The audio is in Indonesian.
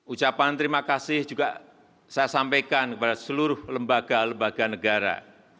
ucapan terima kasih juga saya sampaikan kepada seluruh lembaga lembaga negara